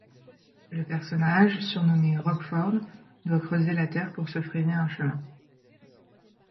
Le personnage, surnommé Rockford, doit creuser la terre pour se frayer un chemin.